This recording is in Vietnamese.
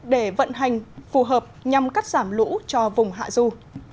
để vận hành phù hợp nhằm cắt giảm lũ cho vùng hạ du